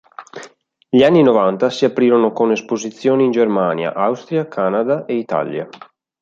Gli anni Novanta si aprirono con esposizioni in Germania, Austria, Canada e Italia.